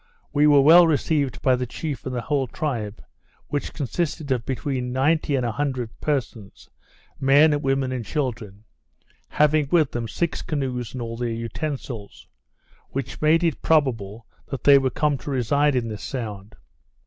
We were well received by the chief and the whole tribe, which consisted of between ninety and a hundred persons, men, women, and children, having with them six canoes, and all their utensils; which made it probable that they were come to reside in this sound.